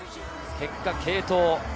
結果、継投。